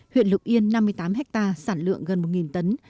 huyện lục yên năm mươi tám hectare sản lượng gần một tấn